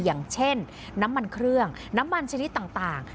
อย่างเช่นน้ำมันเครื่องน้ำมันชนิดต่าง